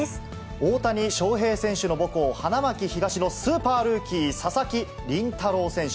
大谷翔平選手の母校、花巻東のスーパールーキー、佐々木麟太郎選手。